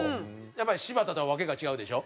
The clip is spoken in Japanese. やっぱり柴田とはわけが違うでしょ？